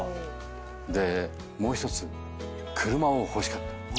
でもう１つ車を欲しかった。